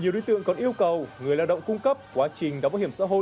cung cầu người lao động cung cấp quá trình đóng bảo hiểm xã hội